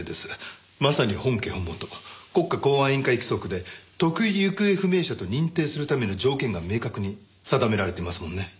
まさに本家本元国家公安委員会規則で特異行方不明者と認定するための条件が明確に定められていますもんね。